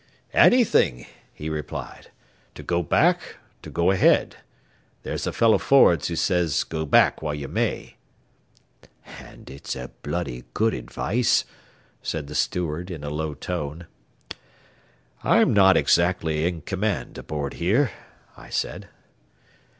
"Anything," he replied. "To go back, to go ahead. There's a fellow forrads who says go back while ye may." "An' it's bloody good advice," said the steward, in a low tone. "I'm not exactly in command aboard here," I said.